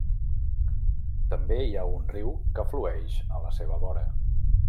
També hi ha un riu que flueix a la seva vora.